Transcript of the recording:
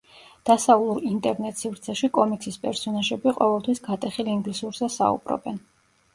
დასავლურ ინტერნეტ-სივრცეში კომიქსის პერსონაჟები ყოველთვის გატეხილ ინგლისურზე საუბრობენ.